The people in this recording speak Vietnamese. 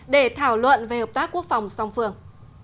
để thảo luận về hợp tác quốc phòng song phương